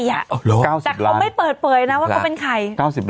แต่เขาไม่เปิดเผยนะว่าเขาเป็นใคร